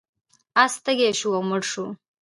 اس تږی شو او مړ شو.